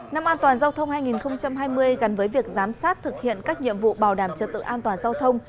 năm an toàn giao thông hai nghìn hai mươi gắn với việc giám sát thực hiện các nhiệm vụ bảo đảm trật tự an toàn giao thông